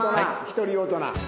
一人大人。